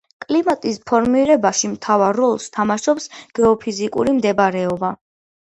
კლიმატის ფორმირებაში მთავარ როლს თამაშობს გეოფიზიკური მდებარეობა.